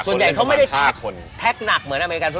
ส่วนใหญ่เขาไม่ได้แท็กหนักเหมือนอเมริกัน